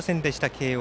慶応。